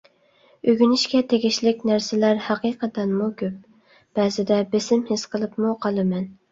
ئۆگىنىشكە تېگىشلىك نەرسىلەر ھەقىقەتەنمۇ كۆپ، بەزىدە بېسىم ھېس قىلىپمۇ قالىمەن.